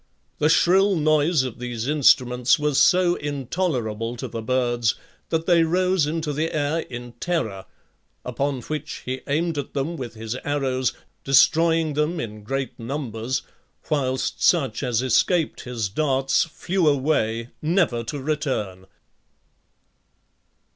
The shrill noise of these instruments was so intolerable to the birds that they rose into the air in terror, upon which he aimed at them with his arrows, destroying them in great numbers, whilst such as escaped his darts flew away, never to return.